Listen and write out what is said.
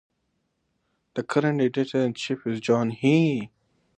The current editor-in-chief is John He.